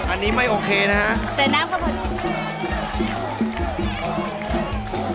อันนี้ไม่โอเคนะฮะ